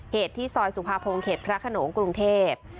เหตุที่ซอยสุภาพงเขตพระขนงกรุงเทพ